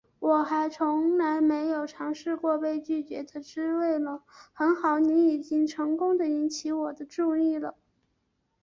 我还从来没有尝试过被拒绝的滋味呢，很好，你已经成功地引起我的注意了